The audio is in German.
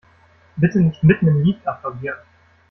Bitte nicht mitten im Lied applaudieren!